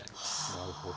なるほど。